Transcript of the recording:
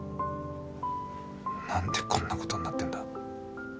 何でこんなことになってんだ。